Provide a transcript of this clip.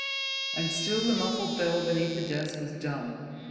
And still the muffled bell beneath the desk was dumb.